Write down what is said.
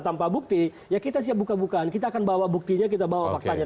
tanpa bukti ya kita siap buka bukaan kita akan bawa buktinya kita bawa faktanya